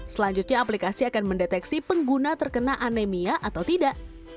selanjutnya aplikasi akan mendeteksi pengguna terkena anemia atau tidak